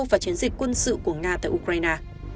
và chiến dịch quân sự của nga tại ukraine